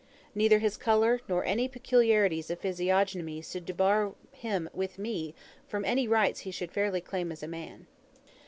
Neither his colour, nor any peculiarities of physiognomy should debar him with me from any rights he could fairly claim as a man.